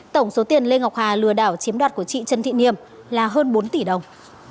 tổng số tiền lê ngọc hà lừa đảo chiếm đoạt của chị trần thị niềm là hơn bốn tỷ đồng